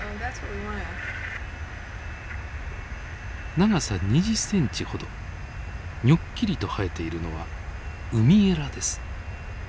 長さ２０センチほどにょっきりと生えているのはウミエラです。